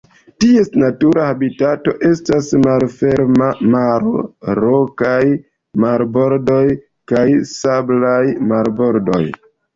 Ties natura habitato estas malferma maro, rokaj marbordoj, kaj sablaj marbordoj.